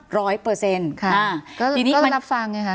ก็รับฟังอย่างนี้ค่ะ